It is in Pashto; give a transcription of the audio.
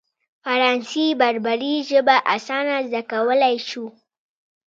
فرانسې بربري ژبه اسانه زده کولای شو.